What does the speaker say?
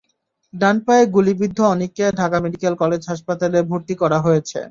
ডান পায়ে গুলিবিদ্ধ অনিককে ঢাকা মেডিকেল কলেজ হাসপাতালে ভর্তি করা হয়েছে।